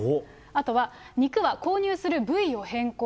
あとは肉は購入する部位を変更。